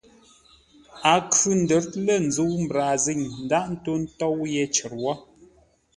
A khʉ̂ ńdə́r lə̂ ńzə́u mbrazîŋ ńdághʼ ńtó ńtóu yé cər wó.